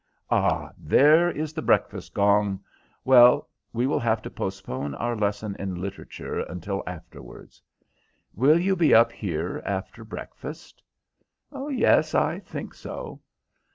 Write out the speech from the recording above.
Ah, there is the breakfast gong. Well, we will have to postpone our lesson in literature until afterwards. Will you be up here after breakfast?" "Yes, I think so."